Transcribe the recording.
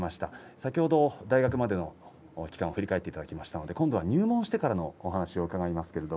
先ほど大学までの期間を振り返っていただきましたので今度は入門からのお話を伺います。